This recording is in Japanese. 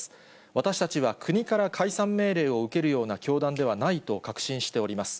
私たちは国から解散命令を受けるような教団ではないと確信しております。